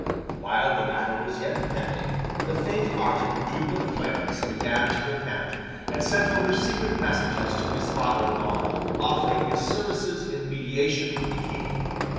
While the battle was yet pending, the fainthearted Duke of Clarence began to repent, and sent over secret messages to his father in law, offering his services in mediation with the King.